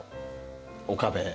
岡部